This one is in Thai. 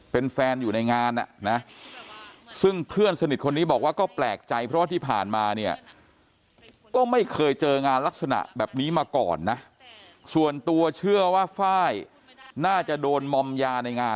เป็นแฟนอยู่ในงานอ่ะนะซึ่งเพื่อนสนิทคนนี้บอกว่าก็แปลกใจเพราะว่าที่ผ่านมาเนี่ยก็ไม่เคยเจองานลักษณะแบบนี้มาก่อนนะส่วนตัวเชื่อว่าไฟล์น่าจะโดนมอมยาในงาน